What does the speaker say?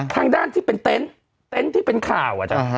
ทางด้านที่เป็นเต็นต์เต็นต์ที่เป็นข่าว